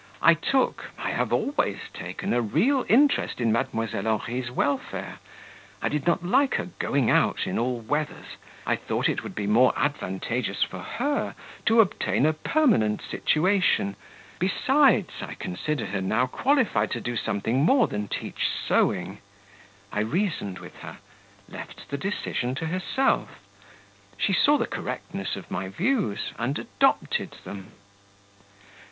I took I have always taken a real interest in Mdlle. Henri's welfare; I did not like her going out in all weathers; I thought it would be more advantageous for her to obtain a permanent situation; besides, I considered her now qualified to do something more than teach sewing. I reasoned with her; left the decision to herself; she saw the correctness of my views, and adopted them."